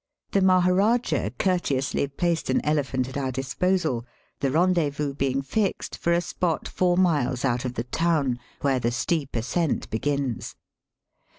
The Maharajah courteously placed an elephant at our disposal, the rendezvous being fixed for a spot four miles out of the town where the steep ascent begins.